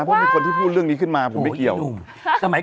เพราะมีคนที่พูดเรื่องนี้ขึ้นมาผมไม่เกี่ยว